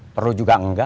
perlu juga engga